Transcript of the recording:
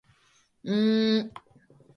秋田県潟上市